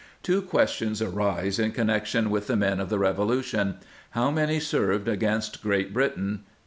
* Two questions arise in connection with the men of the Revolution, How many served against Great Britain?